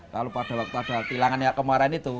lalu pada waktu ada tilangan yang kemarin itu